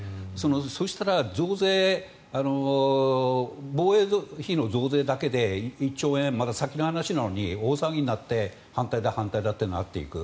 そうしたら防衛費の増税だけで１兆円まだ先の話なのに大騒ぎになって反対だ、反対だとなっていく。